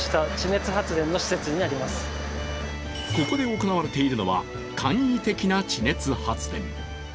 ここで行われているのは簡易的な地熱発電。